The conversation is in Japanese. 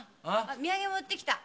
土産持ってきた。